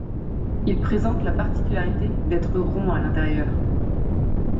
Il présente la particularité d'être rond à l'intérieur.